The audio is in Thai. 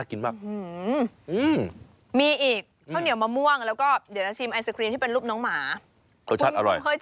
อร่อยอร่อยเหรอ